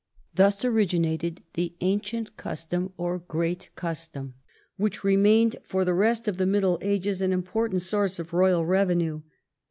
Thus originated the Ancient Custom or Great Custom, which remained for the rest of the Middle Ages an important source of royal revenue.